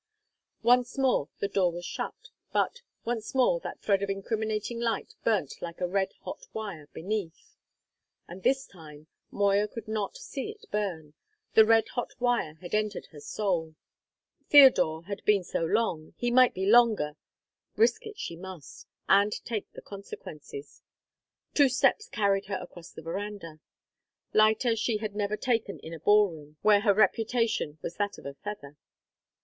Once more the door was shut; but, once more, that thread of incriminating light burnt like a red hot wire beneath. And this time Moya could not see it burn: the red hot wire had entered her soul. Theodore had been so long, he might be longer; risk it she must, and take the consequences. Two steps carried her across the verandah; lighter she had never taken in a ball room, where her reputation was that of a feather.